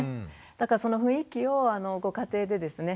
だからその雰囲気をご家庭でですね